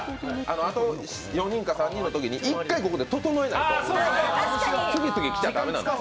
あと４人か３人のときに１回ここで整えないと次々に来ちゃ駄目なのよ。